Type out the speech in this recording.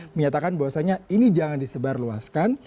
menyatakan bahwasannya ini jangan disebarluaskan